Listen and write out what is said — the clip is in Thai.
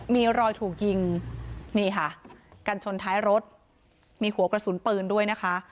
มีรอยถูกยิงนี่ค่ะกันชนท้ายรถมีหัวกระสุนปืนด้วยนะคะ